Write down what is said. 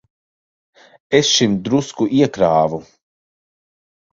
Es šim drusku iekrāvu.